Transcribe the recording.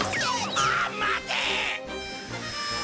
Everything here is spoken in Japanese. あっ待て！！